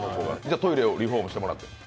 トイレをリフォームしてもらって。